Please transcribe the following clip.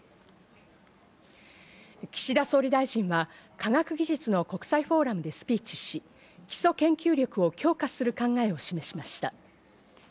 岸田総理大臣は、科学技術の国際フォーラムでスピーチし、基礎研究力を強化する考えを示しました。